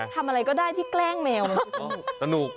ทำอะไรก็ได้ที่แกล้งแมวว่าสนุก